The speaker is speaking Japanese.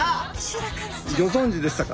ギョ存じでしたか？